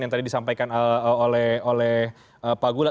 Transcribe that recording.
yang tadi disampaikan oleh pak gula